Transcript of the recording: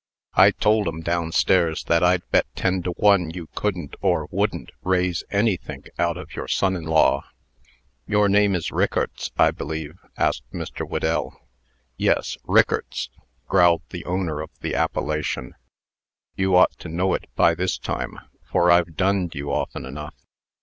I told 'em, down stairs, that I'd bet ten to one you couldn't or wouldn't raise any think out of your son in law." "Your name is Rickarts, I believe?" asked Mr. Whedell. "Yes, Rickarts!" growled the owner of the appellation, "You ought to know it by this time; for I've dunned you often enough."